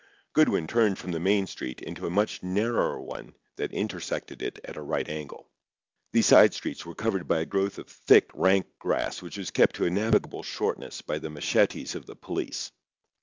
Goodwin turned from the main street into a much narrower one that intersected it at a right angle. These side streets were covered by a growth of thick, rank grass, which was kept to a navigable shortness by the machetes of the police.